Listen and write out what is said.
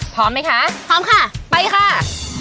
พร้อมไหมคะพร้อมค่ะไปค่ะ